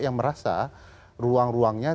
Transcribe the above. yang merasa ruang ruangnya